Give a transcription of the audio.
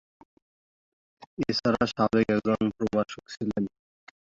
এছাড়া সাবেক একজন প্রভাষক তিনি।